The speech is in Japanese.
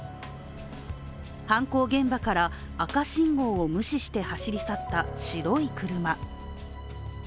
犯行現場から赤信号を無視して走り去った白い車。